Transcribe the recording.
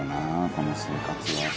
この生活は。